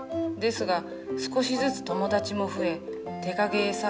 ですが少しずつ友達も増え手影絵